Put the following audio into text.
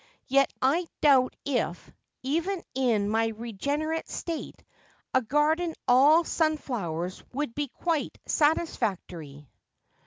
Yet I doubt if, even in my regenerate state, a garden all sunflowers would be quite satis factory.'